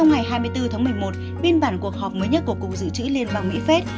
ngày hai mươi bốn tháng một mươi một biên bản cuộc họp mới nhất của cục dự trữ liên bang mỹ phép